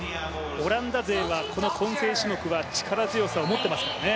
オランダ勢はこの混成種目は力強さを持っていますね。